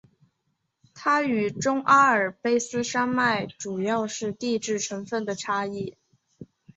它与中阿尔卑斯山脉主要是地质成分的差异。